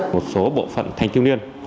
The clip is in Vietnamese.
một số bộ phận thanh thiếu niên